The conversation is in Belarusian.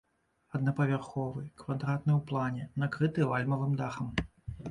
Аднапавярховы, квадратны ў плане, накрыты вальмавым дахам.